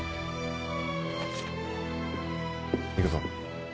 行くぞ。